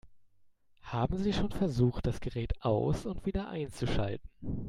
Haben Sie schon versucht, das Gerät aus- und wieder einzuschalten?